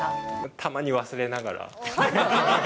たまに忘れながら。